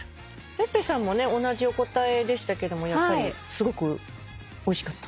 ｐｅｐｐｅさんも同じお答えでしたけどもやっぱりすごくおいしかった？